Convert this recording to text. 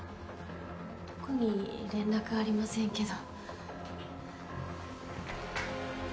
特に連絡ありませんけど。